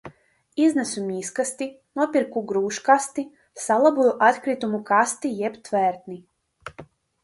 Iznesu miskasti, nopirku gružkasti, salaboju atkritumu kasti jeb tvertni.